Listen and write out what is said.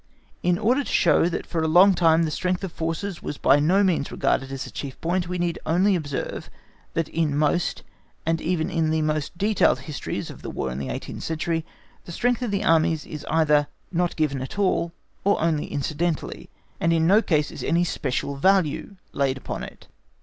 In order to show that for a long time the strength of forces was by no means regarded as a chief point, we need only observe, that in most, and even in the most detailed histories of the Wars in the eighteenth century, the strength of the Armies is either not given at all, or only incidentally, and in no case is any special value laid upon it.